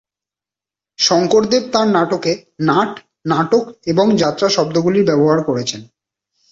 শংকরদেব তাঁর নাটকে নাট, নাটক এবং যাত্রা শব্দগুলির ব্যবহার করেছেন।